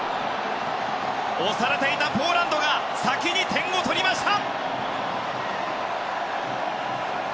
押されていたポーランドが先に点を取りました！